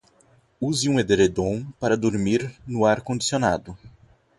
Use um edredom para dormir no ar condicionado